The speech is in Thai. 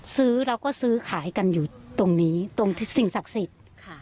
ซื้อเราก็ซื้อขายกันอยู่ตรงนี้ตรงที่สิ่งศักดิ์สิทธิ์ค่ะ